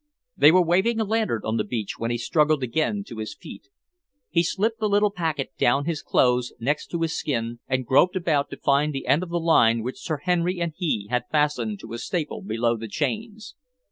They were waving a lantern on the beach when he struggled again to his feet. He slipped the little packet down his clothes next to his skin, and groped about to find the end of the line which Sir Henry and he had fastened to a staple below the chains.